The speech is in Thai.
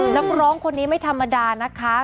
นักร้องคนนี้ไม่ธรรมดานะคะ